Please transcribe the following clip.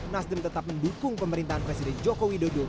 nasdem tetap mendukung pemerintahan presiden jokowi dodo